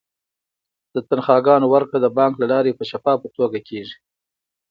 د تنخواګانو ورکړه د بانک له لارې په شفافه توګه کیږي.